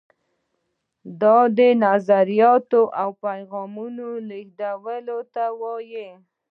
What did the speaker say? دا د نظریاتو او پیغامونو لیږدولو ته وایي.